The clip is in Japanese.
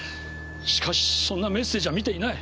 しかしそんなメッセージは見ていない。